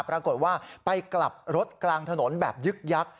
ปรากฏว่าไปกลับรถกลางถนนแบบยึกยักษ